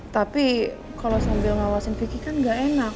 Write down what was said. tapi kalau sambil ngawasin fikih kan gak enak